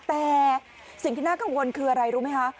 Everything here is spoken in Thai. แต่สิ่งที่น่ากังวลคืออะไรรู้ไหมคะ